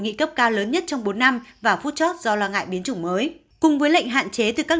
nghị cấp cao lớn nhất trong bốn năm và phút chót do lo ngại biến chủng mới cùng với lệnh hạn chế từ các